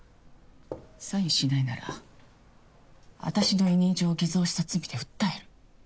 サインしないなら私の委任状を偽造した罪で訴える。